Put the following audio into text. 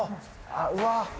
あっうわ。